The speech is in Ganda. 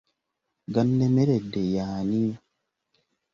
Gannemeredde y'ani?